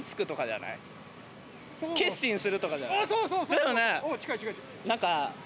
だよね！